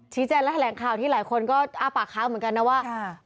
ชี้แจนและแถลงข่าวที่หลายคนก็อ้ามปากคาดเหมือนกันนะครับว่า